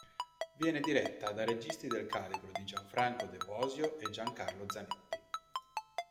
Viene diretta da registi del calibro di Gianfranco De Bosio e Giancarlo Zanetti.